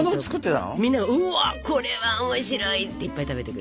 みんなが「うわっこれは面白い」っていっぱい食べてくれてね。